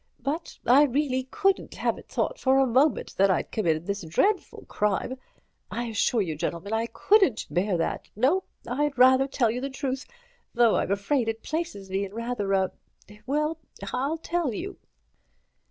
But I reelly couldn't have it thought for a moment that I'd committed this dreadful crime. I assure you, gentlemen, I couldn't bear that. No. I'd rather tell you the truth, though I'm afraid it places me in rather a—well, I'll tell you."